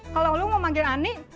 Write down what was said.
kalau lo mau manggil ani